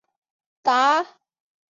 达瓦齐仅带少数人仓皇南逃。